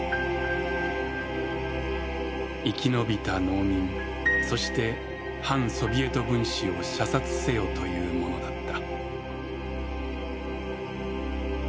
生き延びた農民そして「反ソビエト分子」を射殺せよというものだった。